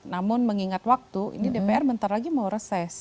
namun mengingat waktu ini dpr bentar lagi mau reses